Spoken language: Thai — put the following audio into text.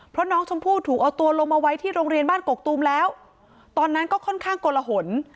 เพราะน้องชมพู่ถูกเอาตัวลงมาไว้ที่โรงเรียนบ้านกกตูมแล้วตอนนั้นก็ค่อนข้างกลหน